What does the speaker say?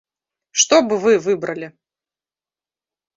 Што б вы выбралі?